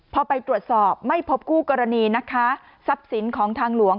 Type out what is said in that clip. พอไปตรวจสอบไม่พบคู่กรณีนะคะทรัพย์สินของทางหลวง